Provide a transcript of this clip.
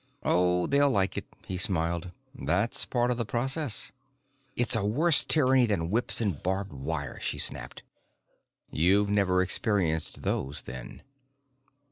"Oh, they'll like it," he smiled. "That's part of the process." "It's a worse tyranny than whips and barbed wire," she snapped. "You've never experienced those then."